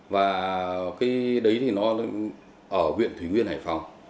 và cái đấy thì nó ở huyện thủy nguyên hải phòng